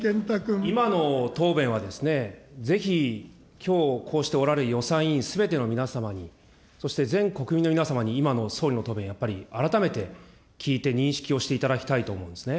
今の答弁はですね、ぜひ、きょうこうしておられる予算委員、すべての皆様に、そして全国民の皆様に今の総理の答弁、やっぱり改めて、聞いて認識をしていただきたい思うんですね。